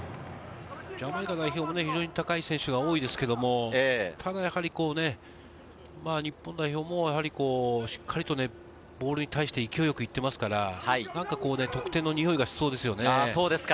ジャマイカ代表も非常に高い選手が多いですけど、ただやはり日本代表もしっかりとボールに対して勢いよく行ってますから、得点のにおいがしそうですね。